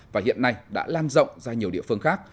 và hiện nay đã lan rộng ra nhiều địa phương khác